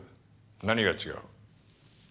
何が違う？